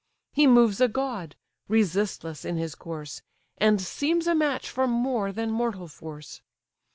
He moves a god, resistless in his course, And seems a match for more than mortal force.